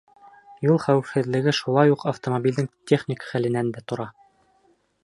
Юл хәүефһеҙлеге шулай уҡ автомобилдең техник хәленән дә тора.